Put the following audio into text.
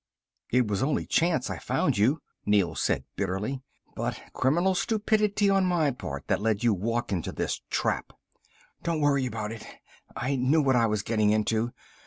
"It was only chance I found you," Neel said bitterly. "But criminal stupidity on my part that let you walk into this trap." "Don't worry about it, I knew what I was getting into.